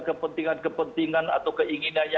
kepentingan kepentingan atau keinginannya